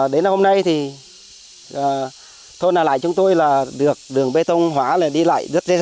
đến hôm nay thì thôn lại chúng tôi là được đường bê tông hóa là đi lại rất dễ dàng